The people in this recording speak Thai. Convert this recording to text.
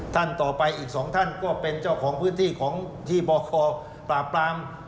ท่านต่อไปอีกสองท่านก็เป็นเจ้าของพื้นที่ของที่บคปราบปราม